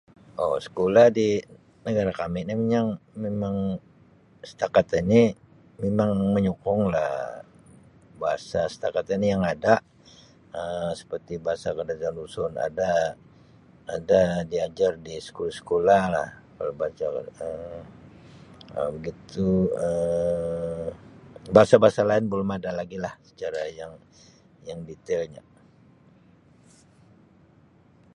Oh sekolah di negara kami ni mimang mimang setakat ini mimang menyokonglah bahasa setakat ini yang ada Um seperti bahasa KadazanDusun ada ada diajar di skula-skula lah [unintelligible] Um begitu Um bahasa-bahasa lain belum ada lagi lah secara yang yang detailnya.